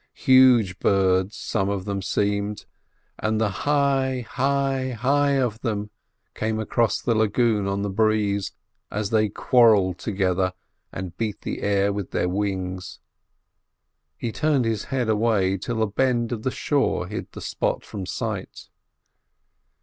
Huge birds some of them seemed, and the "Hi! hi! hi!" of them came across the lagoon on the breeze as they quarrelled together and beat the air with their wings. He turned his head away till a bend of the shore hid the spot from sight.